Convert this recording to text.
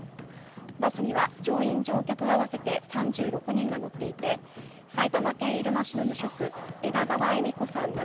バスには乗員・乗客合わせて３６人が乗っていて埼玉県入間市の無職枝川恵美子さん